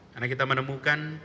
karena kita menemukan